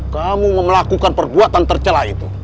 kamu melakukan perbuatan tercelah itu